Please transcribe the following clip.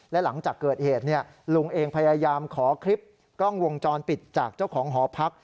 และหลังจากเกิดเหตุลุงเองพยายามขอคลิปกล้องวงจรปิดจากเจ้าของหอพัก